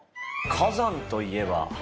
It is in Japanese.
火山といえば。